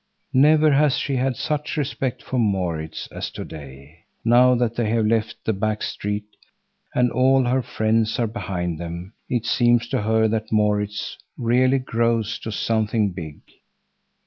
Never has she had such respect for Maurits as to day. Now that they have left the back street, and all her friends are behind them, it seems to her that Maurits really grows to something big.